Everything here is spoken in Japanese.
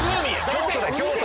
京都だ京都。